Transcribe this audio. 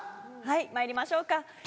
まいりましょうか。